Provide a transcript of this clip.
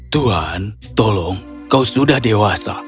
tuhan tolong kau sudah dewasa